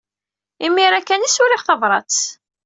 Imir-a kan ay as-uriɣ tabṛat.